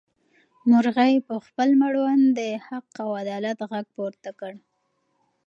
مرغۍ په خپل مړوند د حق او عدالت غږ پورته کړ.